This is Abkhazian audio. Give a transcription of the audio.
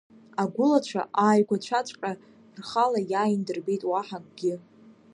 Агәылацәа ааигәацәаҵәҟьа рхала иааин дырбеит, уаҳа акгьы.